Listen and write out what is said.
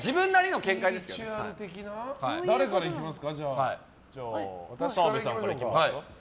誰からいきますか？